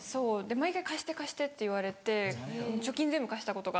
毎回「貸して」って言われて貯金全部貸したことが。